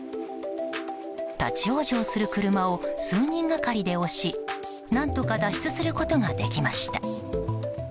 立ち往生する車を数人がかりで押し何とか脱出することができました。